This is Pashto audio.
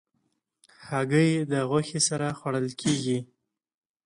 هګۍ د غوښې سره خوړل کېږي.